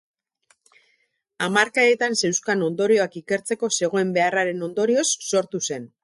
Hamarkadetan zeuzkan ondorioak ikertzeko zegoen beharraren ondorioz sortu zen.